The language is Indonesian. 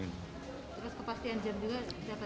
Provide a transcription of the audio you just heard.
terus kepastian jam juga